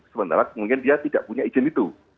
sementara kemungkinan dia tidak punya izin itu